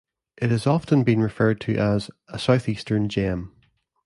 It has often been referred to as "A Southeastern gem".